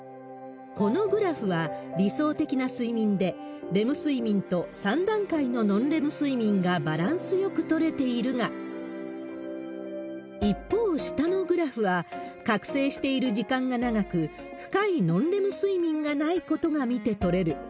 このグラフは、理想的な睡眠で、レム睡眠と３段階のノンレム睡眠がバランスよく取れているが、一方、下のグラフは、覚醒している時間が長く、深いノンレム睡眠がないことが見て取れる。